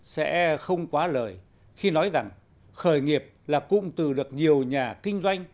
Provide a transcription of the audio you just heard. sẽ không quá lời khi nói rằng khởi nghiệp là cụm từ được nhiều nhà kinh doanh